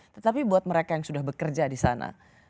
tetapi buat mereka yang sudah bekerja di sana